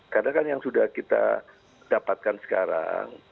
karena kan yang sudah kita dapatkan sekarang